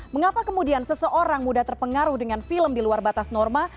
mengapa kemudian seseorang mudah terpengaruh dengan film di luar batas norma